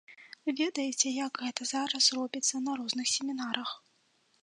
Ведаеце, як гэта зараз робіцца на розных семінарах.